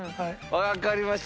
わかりました。